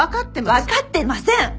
わかってません！